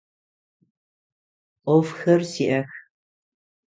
Ӏофхэр сиӏэх.